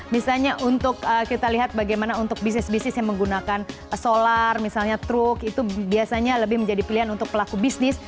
misalnya untuk kita lihat bagaimana untuk bisnis bisnis yang menggunakan solar misalnya truk itu biasanya lebih menjadi pilihan untuk pelaku bisnis